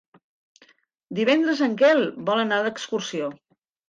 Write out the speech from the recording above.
Divendres en Quel vol anar d'excursió.